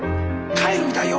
帰るみたいよ！」。